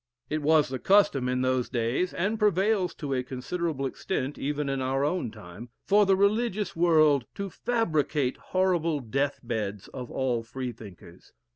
It was the custom in those days, and prevails to a considerable extent even in our own time, for the religious world to fabricate "horrible death beds" of all Freethinkers.